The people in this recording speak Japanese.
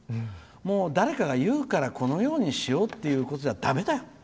誰かが言うからこのようにしようってんじゃだめだよ。